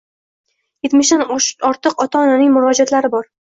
Yetmishdan ortiq ota-onaning murojaatlar bor